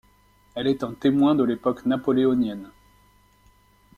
Elle est un témoin de l'époque napoléonienne.